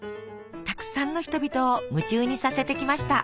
たくさんの人々を夢中にさせてきました。